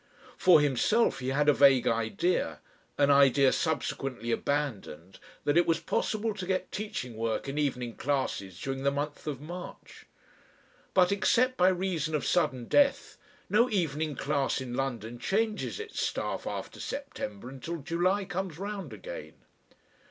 For himself he had a vague idea, an idea subsequently abandoned, that it was possible to get teaching work in evening classes during the month of March. But, except by reason of sudden death, no evening class in London changes its staff after September until July comes round again.